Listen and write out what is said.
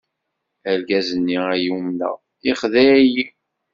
Argaz-nni ay umneɣ, yexdeɛ-iyi.